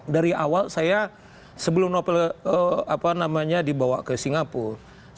dari awal saya sebelum novel dibawa ke singapura